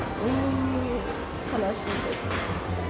悲しいです。